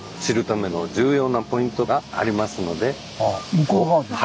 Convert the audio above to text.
向こう側ですか。